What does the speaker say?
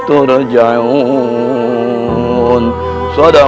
sekarwangi akan mencari kesehatan